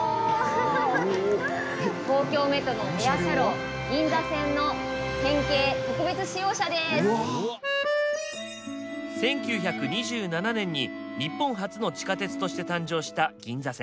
東京メトロの１９２７年に日本初の地下鉄として誕生した銀座線。